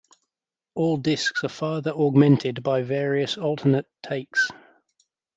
All discs are further augmented by various alternate takes.